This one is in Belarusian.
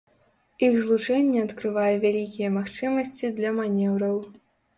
Іх злучэнне адкрывае вялікія магчымасці для манеўраў.